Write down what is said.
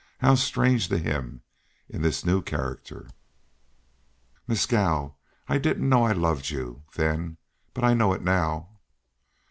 How strange to him in this new character! "Mescal, I didn't know I loved you then but I know it now."